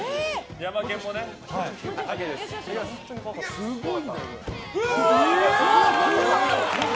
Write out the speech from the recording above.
すごい！